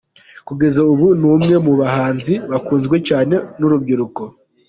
Kugeza ubu ni umwe mu bahanzi bakunzwe cyane n’urubyiruko.